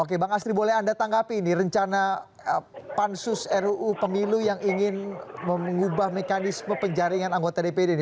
oke bang astri boleh anda tanggapi ini rencana pansus ruu pemilu yang ingin mengubah mekanisme penjaringan anggota dpd ini